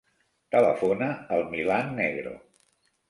Telefona al Milan Negro.